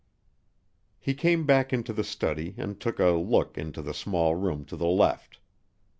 He came back into the study and took a look into the small room to the left.